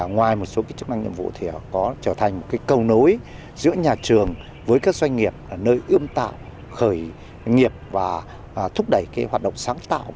ngoài một số chức năng nhiệm vụ thì có trở thành một cầu nối giữa nhà trường với các doanh nghiệp nơi ươm tạo khởi nghiệp và thúc đẩy hoạt động sáng tạo